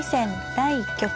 第１局。